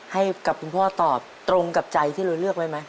ให้กับคุณพ่อตอบตรงกับใจที่เราเลือกไว้ไหม